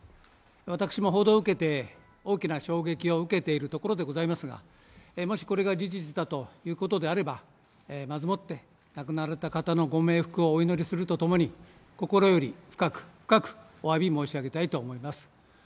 私も報道を受けて、大きな衝撃を受けているところでございますが、もしこれが事実だということであれば、まずもって亡くなられた方のご冥福をお祈りするとともに心より深く、深くおわび申し上げたいと思います。